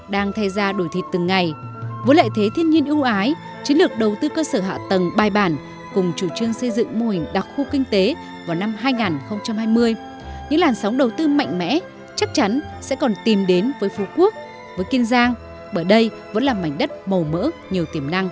để đạt được mục tiêu